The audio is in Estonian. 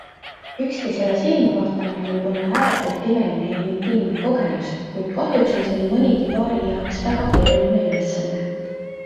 Üksteisele silma vaatamine võib olla ääretult imeline ja intiimne kogemus, kuid kahjuks on see nii mõnegi paari jaoks väga keeruline ülesanne.